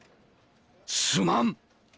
すまん！